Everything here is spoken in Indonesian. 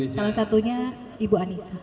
salah satunya ibu anissa